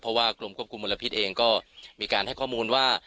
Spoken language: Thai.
เพราะว่ากรมควบคุมมลพิษเองก็มีการให้ข้อมูลว่า